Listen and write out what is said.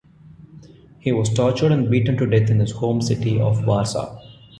He was tortured and beaten to death in his home city of Warsaw.